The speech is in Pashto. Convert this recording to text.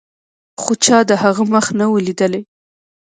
خو چا د هغه مخ نه و لیدلی.